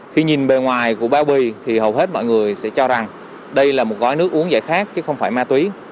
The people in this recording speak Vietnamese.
khi nhìn bề ngoài của bao bì thì hầu hết mọi người sẽ cho rằng đây là một gói nước uống giải khát chứ không phải ma túy